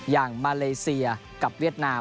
อย่างมาเลเซียกับเวียดนาม